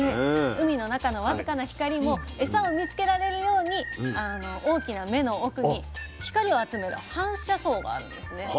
海の中の僅かな光もエサを見つけられるように大きな目の奥に光を集める反射層があるんですね。